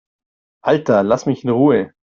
Alter, lass mich in Ruhe!